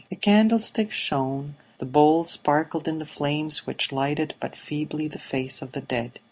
The candlestick shone, the bowl sparkled in the flames which lighted but feebly the face of the dead.